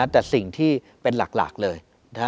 แต่สิ่งที่เป็นหลักเลย